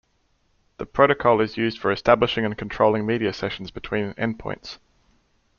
The protocol is used for establishing and controlling media sessions between end points.